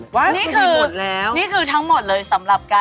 ใช่ครับใช่